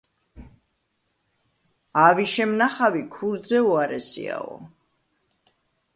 ავი შემნახავი ქურდზე უარესიაო.